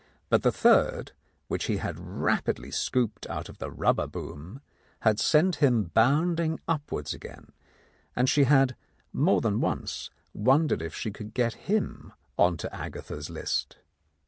But the third, which he had rapidly scooped out of the rubber boom, had sent him bounding upwards again, and she had more than once wondered if she could get him on to Agatha's iist.